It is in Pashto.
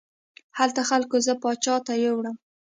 هلته خلکو زه پاچا ته یووړم.